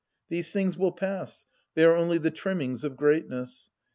These things will pass ; they are only the trimmings of greatness.